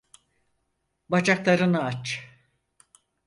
Bacaklarını aç!